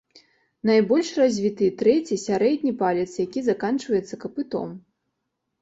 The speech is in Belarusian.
Найбольш развіты трэці, сярэдні, палец, які заканчваецца капытом.